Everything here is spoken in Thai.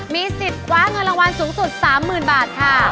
มีสิทธิ์คว้าเงินรางวัลสูงสุด๓๐๐๐บาทค่ะ